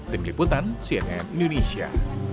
tim liputan cnn indonesia